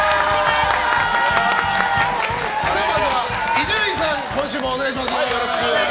伊集院さん、今週もお願いします。